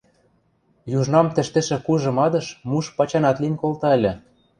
Южнам тӹштӹшӹ кужы мадыш муш пачанат лин колта ыльы.